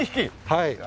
はい。